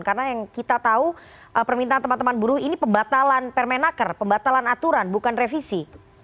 karena yang kita tahu permintaan teman teman buruh ini pembatalan per menaker pembatalan aturan bukan revisi